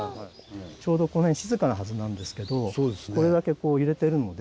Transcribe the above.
この辺静かなはずなんですけどこれだけこう揺れてるので。